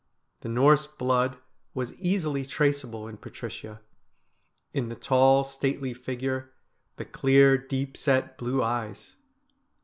The Norse blood was easily traceable in Patricia — in the tall, stately figure, the clear, deep set blue eyes.